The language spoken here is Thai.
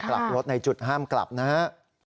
กลับรถในจุดห้ามกลับนะครับ